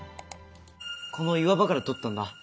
この岩場から撮ったんだ。